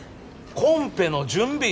コンペの準備！